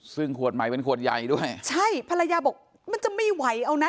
ซึ่งขวดใหม่เป็นขวดใหญ่ด้วยใช่ภรรยาบอกมันจะไม่ไหวเอานะ